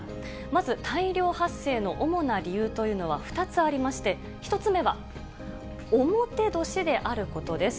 まず大量発生の主な理由というのは２つありまして、１つ目は表年であることです。